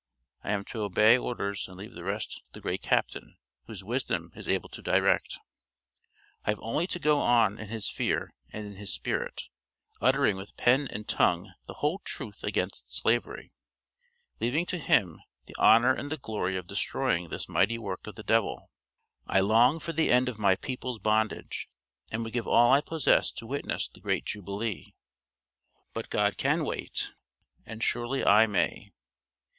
I am to obey orders, and leave the rest to the great Captain whose wisdom is able to direct. I have only to go on in His fear and in His spirit, uttering with pen and tongue the whole truth against Slavery, leaving to Him the honor and the glory of destroying this mighty work of the devil. I long for the end of my people's bondage, and would give all I possess to witness the great jubilee; but God can wait, and surely I may.